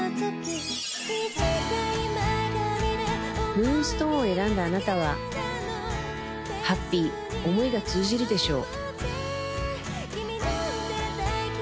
ムーンストーンを選んだあなたはハッピー思いが通じるでしょう